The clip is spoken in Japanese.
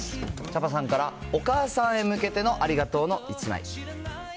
ちゃぱさんからお母さんへ向けてのありがとうの１枚。